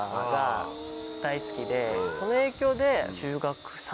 その影響で。